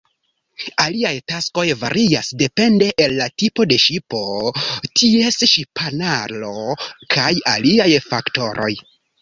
Aliaj taskoj varias depende el la tipo de ŝipo, ties ŝipanaro, kaj aliaj faktoroj.